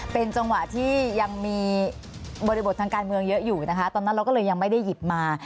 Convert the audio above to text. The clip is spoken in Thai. เป็นจังหวะที่ยังมีบริบททางการเมืองเยอะอยู่นะคะตอนนั้นเราก็เลยยังไม่ได้หยิบมา